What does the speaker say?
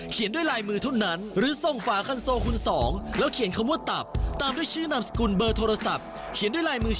เขียนด้วยลายมือเช่นกัน